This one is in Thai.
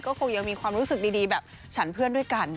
ก็คงยังมีความรู้สึกดีแบบฉันเพื่อนด้วยกัน